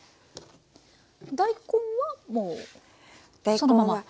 大根はもうそのまま？